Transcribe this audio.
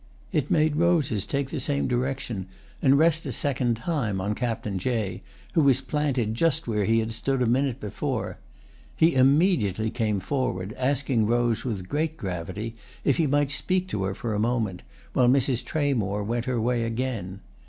It made Rose's take the same direction and rest a second time on Captain Jay, who was planted just where he had stood a minute before. He immediately came forward, asking Rose with great gravity if he might speak to her a moment, while Mrs. Tramore went her way again.